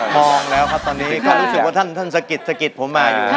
มองแล้วครับตอนนี้ก็รู้สึกท่านสกิดผมมาอยู่